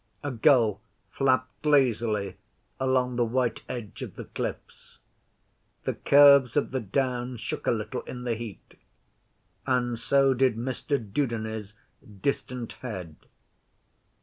A gull flapped lazily along the white edge of the cliffs. The curves of the Downs shook a little in the heat, and so did Mr Dudeney's distant head.